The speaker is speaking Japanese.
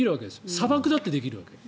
砂漠だってできるわけ。